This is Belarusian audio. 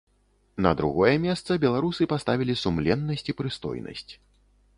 На другое месца беларусы паставілі сумленнасць і прыстойнасць.